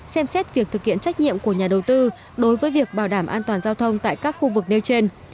xem xét việc thực hiện trách nhiệm của nhà đầu tư đối với việc bảo đảm an toàn giao thông tại các khu vực nêu trên